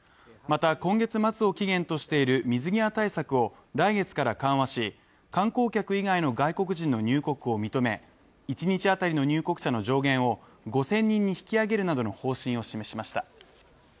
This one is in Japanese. また、今月末を期限としている水際対策を来月から緩和し観光客以外の外国人の入国を認め、一日当たりの入国者の上限を５０００人に引き上げるなどの方針を示しました。